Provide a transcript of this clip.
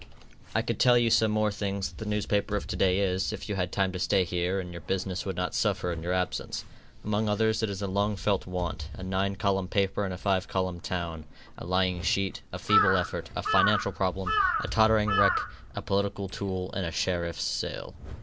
I could tell you some more things that the newspaper of to day is, if you had time to stay here and your business would not suffer in your absence. Among others it is a long felt want, a nine column paper in a five column town, a lying sheet, a feeble effort, a financial problem, a tottering wreck, a political tool and a sheriff's sale.